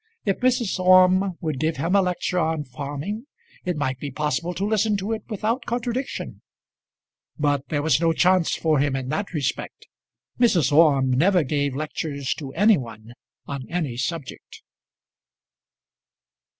If Mrs. Orme would give him a lecture on farming it might be possible to listen to it without contradiction; but there was no chance for him in that respect. Mrs. Orme never gave lectures to any one on any subject.